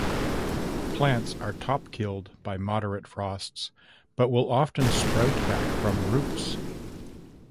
Plants are top-killed by moderate frosts, but will often sprout back from roots.